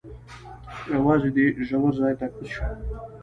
یوازې دې ژور ځای ته کوز شه.